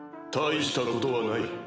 大したことはない。